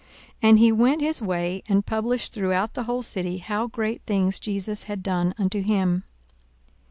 And he went his way, and published throughout the whole city how great things Jesus had done unto him.